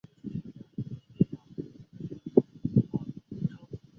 于苍梧县梨埠镇料口村以南汇入东安江。